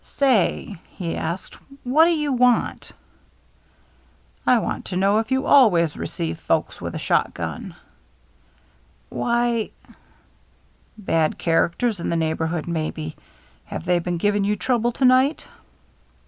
"Say," he asked, " what do you want ?"" I want to know if you always receive folks with a shot gun ?" "Why —"" Bad characters in the neighborhood, maybe. Have they been giving you trouble to night